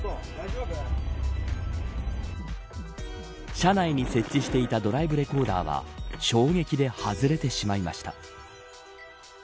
車内に設置していたドライブレコーダーは衝撃で外れてしまいました。